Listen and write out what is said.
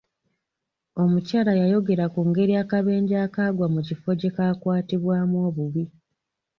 Omukyala yayogera ku ngeri akabenje akaagwa mu kifo gye kaakwatibwamu obubi.